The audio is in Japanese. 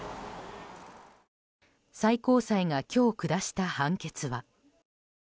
最高裁が今日下した判決は。